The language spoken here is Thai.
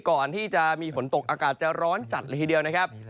ก่อนที่จะมีฝนตกอากาศจะร้อนจัดเลยทีเดียวนะครับ